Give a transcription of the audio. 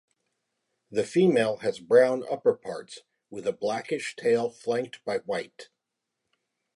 The female has brown upper parts with a blackish tail flanked by white.